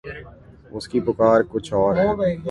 اس کی پکار کچھ اور ہے۔